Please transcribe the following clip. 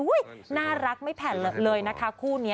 น่ารักไม่แผ่นเลยนะคะคู่นี้